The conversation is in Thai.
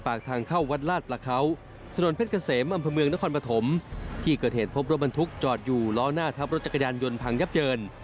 ทางเข้าวัดลาดประเขาถนนเพชรเกษมอำเภอเมืองนครปฐมที่เกิดเหตุพบรถบรรทุกจอดอยู่ล้อหน้าทับรถจักรยานยนต์พังยับเยิน